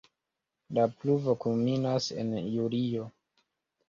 La pluvo kulminas en julio.